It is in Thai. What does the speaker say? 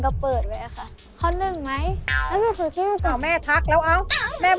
ข้อที่๑ก็ได้ชอบกับแม่